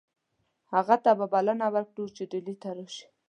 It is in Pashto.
هغه ته به بلنه ورکړو چې ډهلي ته راشي.